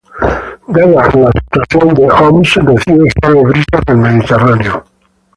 Dada la ubicación de Homs recibe suaves brisas del Mediterráneo.